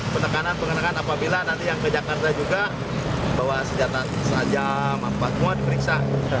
penekanan penekanan apabila nanti yang ke jakarta juga bahwa sejata saja semua diperiksa